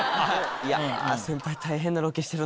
いや先輩大変なロケしてるな。